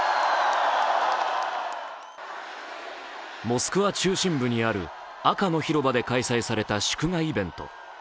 モスクワ中心部にある赤の広場で開催された祝賀イベント。